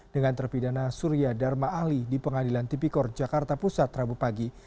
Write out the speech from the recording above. dengan terpidana surya dharma ali di pengadilan tipikor jakarta pusat rabu pagi